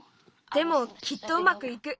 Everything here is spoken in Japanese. でもきっとうまくいく。